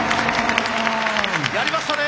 やりましたね。